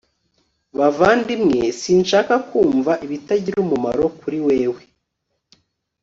bavandimwe. sinshaka kumva ibitagira umumaro kuri wewe